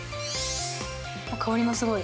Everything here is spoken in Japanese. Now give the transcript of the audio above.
香りがすごい！